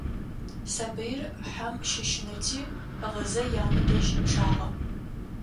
Сабыир хьэм щэщынэти, гъызэ янэ дэжь чъагъэ.